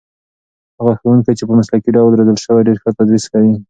هغه ښوونکي چې په مسلکي ډول روزل شوي ډېر ښه تدریس کوي.